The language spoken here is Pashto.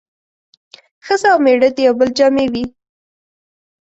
ښځه او مېړه د يو بل جامې وي